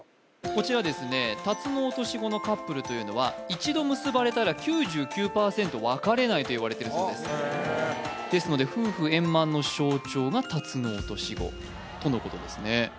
こちらですねタツノオトシゴのカップルというのは一度結ばれたら９９％別れないといわれているそうですですので夫婦円満の象徴がタツノオトシゴとのことですね